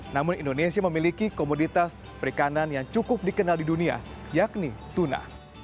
namun indonesia memiliki komoditas perikanan yang cukup dikenal di dunia yakni tuna